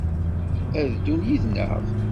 Ad d-ddun yid-neɣ?